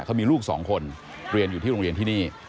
เขามีลูกสองคนเรียนอยู่ที่โรงเรียนที่นี่